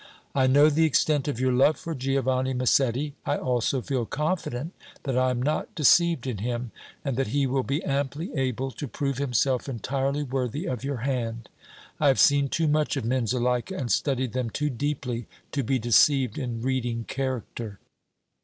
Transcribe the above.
I know the extent of your love for Giovanni Massetti; I also feel confident that I am not deceived in him, and that he will be amply able to prove himself entirely worthy of your hand. I have seen too much of men, Zuleika, and studied them too deeply, to be deceived in reading character."